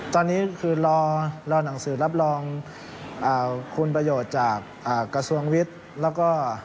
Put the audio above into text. ตอนนี้ก็รอนั่งสื่อรับลองคุณประโยชน์จากกระทวงวิทย์